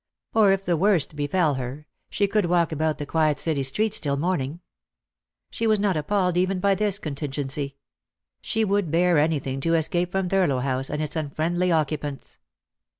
Or if the worst befell her, she could walk about the quiet city streets till morning. She was not appalled even by this con tingency. She would bear anything to escape from Thurlow House and its unfriendly occupants.